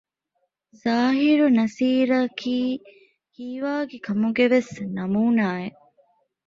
ޒާހިރު ނަޞީރަކީ ހީވާގި ކަމުގެވެސް ނަމޫނާއެއް